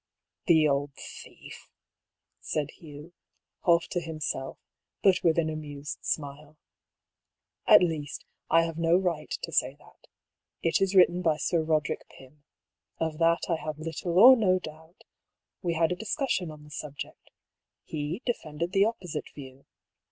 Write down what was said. " The old thief !" said Hugh, half to himself, but with an amused smile. ^^ At least, I have no right to say that. It is written by Sir Eoderick Pym. Of that I have little or no doubt. We had a discussion on the subject. He defended the opposite view.